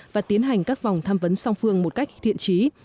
và tiến hành các vòng tham vấn song phương một cách thiện trí